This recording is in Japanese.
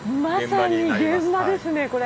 まさに現場ですねこれ。